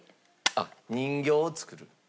あっ人形を作る。